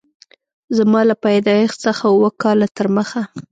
زما له پیدایښت څخه اووه کاله تر مخه